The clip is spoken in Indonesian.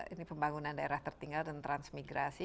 ini pembangunan daerah tertinggal dan transmigrasi